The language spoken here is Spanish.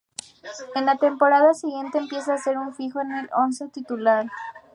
En la temporada siguiente empieza a ser un fijo en el once titular.